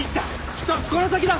きっとこの先だ。